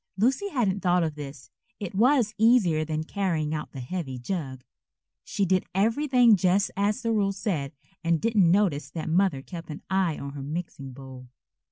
Lucy hadn't thought of this. It was easier than carrying out the heavy jug. She did everything just as the rule said and didn't notice that Mother kept an eye on her mixing bowl.